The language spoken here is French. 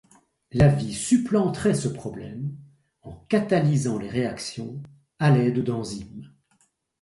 La vie supplanterait ce problème en catalysant les réactions à l’aide d’enzymes.